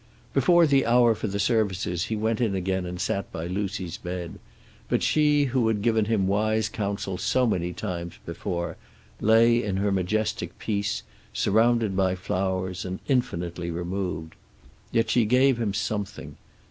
Before the hour for the services he went in again and sat by Lucy's bed, but she who had given him wise counsel so many times before lay in her majestic peace, surrounded by flowers and infinitely removed. Yet she gave him something.